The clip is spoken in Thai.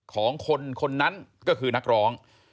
ของคนคนนั้นก็คือนักร้อง